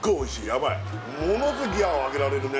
ヤバいものすごくギアを上げられるね